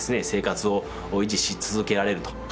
生活を維持し続けられると。